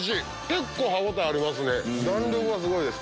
結構歯応えありますね弾力がすごいです。